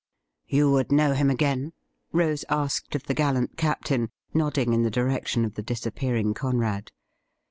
' You would know him again .''' Rose asked of the gallant Captain, nodding in the direction of the disappearing Conrad.